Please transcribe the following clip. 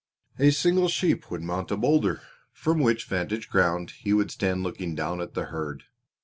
A single sheep would mount a boulder, from which vantage ground he would stand looking down at the herd.